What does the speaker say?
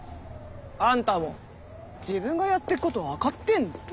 あんたも自分がやってること分かってんの？